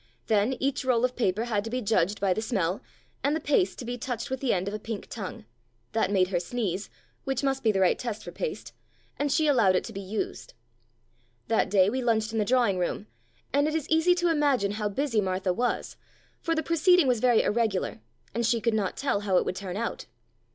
Then each roll of paper had to be judged by the smell, and the paste to be touched with the end of a pink tongue. That made her sneeze (which must be the right test for paste), and she allowed it 235 # "Puss cat" to be used. That day we lunched in the drawing room, and it is easy to imagine how busy Martha was, for the proceeding was very irregular, and she could not tell how it would turn out.